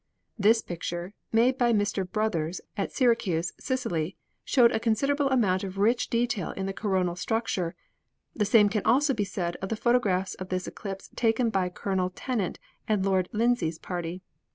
This picture, made by Mr. Brothers, at Syracuse, Sicily, showed a considerable amount of rich detail in the coronal structure; the same can also be said of the photographs of this eclipse taken by Colonel Tennant and Lord Lindsay's party.